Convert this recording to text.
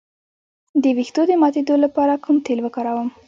د ویښتو د ماتیدو لپاره کوم تېل وکاروم؟